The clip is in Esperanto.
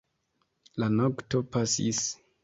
La nokto pasis.